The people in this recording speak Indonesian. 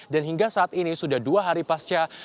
dan hingga saat ini sudah dua hari pasca